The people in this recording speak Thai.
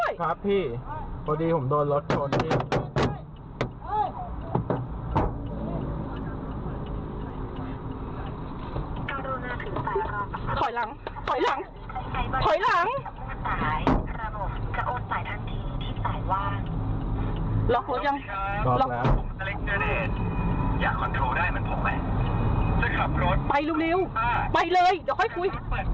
ไปเร็วไปเลยเดี๋ยวค่อยคุย